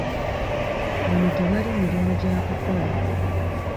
Wano tewali mirimu gya kukola.